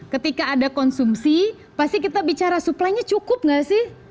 ketika ada konsumsi pasti kita bicara supply nya cukup gak sih